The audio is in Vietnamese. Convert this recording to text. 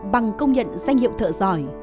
bằng công nhận danh hiệu thợ giỏi